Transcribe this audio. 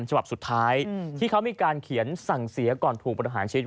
ฉบับสุดท้ายที่เขามีการเขียนสั่งเสียก่อนถูกประหารชีวิต